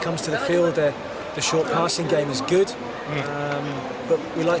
kami memiliki pusingan yang bagus di tim